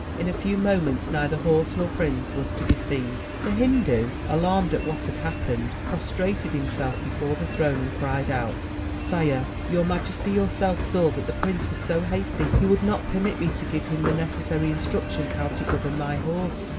In a few moments neither horse nor prince was to be seen. The Hindu, alarmed at what had happened, prostrated him self before the throne and cried out: "Sire, your majesty your self saw that the prince was so hasty he would not permit me to give him the necessary instructions how to govern my horse.